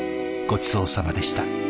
ごちそうさまでした。